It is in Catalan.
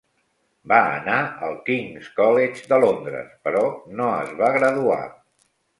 Va anar al King's College de Londres però no es va graduar.